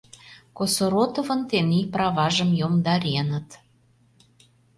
Косоротовын тений праважым йомдареныт.